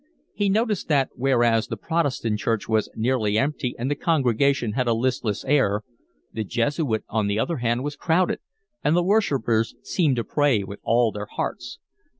He noticed that, whereas the Protestant church was nearly empty and the congregation had a listless air, the Jesuit on the other hand was crowded and the worshippers seemed to pray with all their hearts.